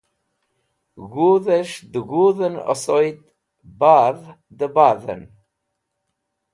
G̃hũdhẽs̃h dẽ ghũd̃hẽn osoyd badh dẽ badhẽn.